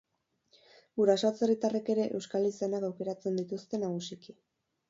Guraso atzerritarrek ere euskal izenak aukeratzen dituzte nagusiki.